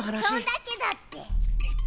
そんだけだって。